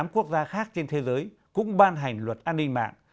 một trăm ba mươi tám quốc gia khác trên thế giới cũng ban hành luật an ninh mạng